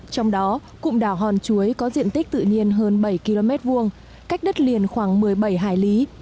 trong đó cụm đảo hòn chuối có diện tích tự nhiên hơn bảy km hai cách đất liền khoảng một mươi bảy hải lý